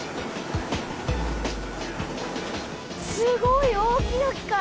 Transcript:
すごい大きな機械。